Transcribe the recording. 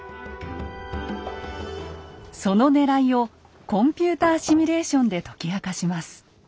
そのねらいをコンピューターシミュレーションで解き明かします。